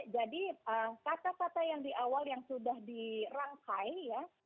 jadi kata kata yang di awal yang sudah dirangkai ya